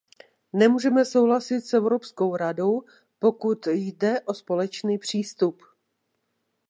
Nemůžeme souhlasit s Evropskou radou, pokud jde o společný přístup.